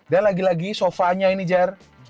dan lagi lagi sofa nya ini jar